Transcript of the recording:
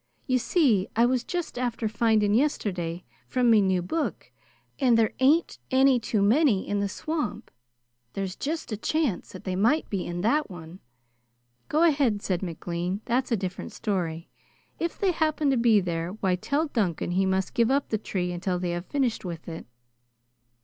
"You see, I was just after finding yesterday, from me new book, how they do be nesting in hollow trees, and there ain't any too many in the swamp. There's just a chance that they might be in that one." "Go ahead," said McLean. "That's a different story. If they happen to be there, why tell Duncan he must give up the tree until they have finished with it."